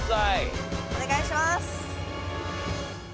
お願いします。